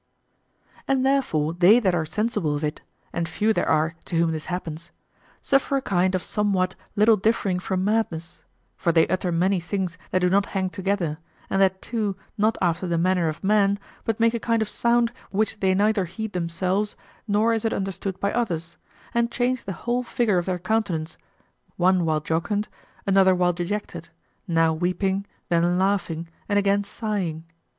And therefore they that are sensible of it, and few there are to whom this happens, suffer a kind of somewhat little differing from madness; for they utter many things that do not hang together, and that too not after the manner of men but make a kind of sound which they neither heed themselves, nor is it understood by others, and change the whole figure of their countenance, one while jocund, another while dejected, now weeping, then laughing, and again sighing.